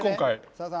さださん